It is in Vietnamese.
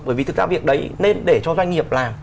bởi vì thực ra việc đấy nên để cho doanh nghiệp làm